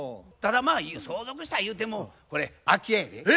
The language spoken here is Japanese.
ただまあ相続したゆうてもこれ空き家やで。